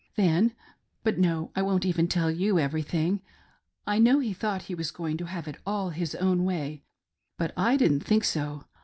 Then —■ but no, I won't even tell you everything ,1 know he thought he was going to have it all his own way ; but I didn't think so.